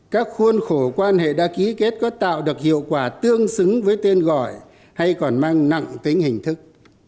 các khuôn khổ quan hệ đã ký kết có tạo được hiệu quả tương xứng với tên gọi hay còn mang nặng tính hình thức